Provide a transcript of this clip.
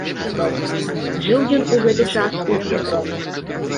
Жыў ён у гэты час у дзеда.